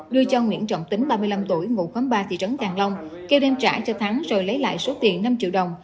đưa cho nguyễn trọng tính ba mươi năm tuổi ngụ khóm ba thị trấn càng long kêu đem trả cho thắng rồi lấy lại số tiền năm triệu đồng